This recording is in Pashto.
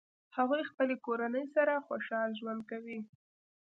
هغوی خپلې کورنۍ سره خوشحال ژوند کوي